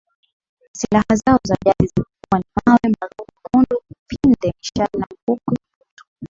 Silaha zao za jadi zilikuwa ni mawe marungu mundu pinde mishale na mikuki butu